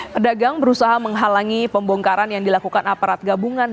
pedagang berusaha menghalangi pembongkaran yang dilakukan aparat gabungan